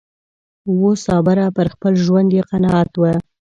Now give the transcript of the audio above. وو صابره پر خپل ژوند یې قناعت و